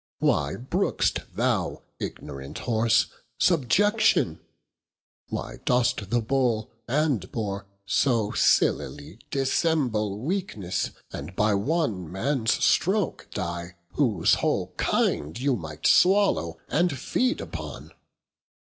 Why brook'st thou, ignorant horse, subjection? Why dost thou bull, and bore so seelily Dissemble weaknesse, and by one mans stroke die, Whose whole kinde, you might swallow and feed upon?